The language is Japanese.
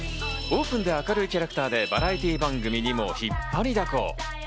オープンで明るいキャラクターでバラエティー番組にも引っ張りだこ。